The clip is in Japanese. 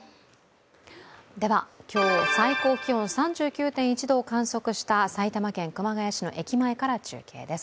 では、今日最高気温３９．１度を観測した埼玉県熊谷市の駅前から中継です。